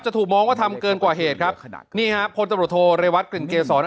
จะถูกมองว่าทำเกินกว่าเหตุครับนี่ครับพลตรวจโทรเรวัตเกรสร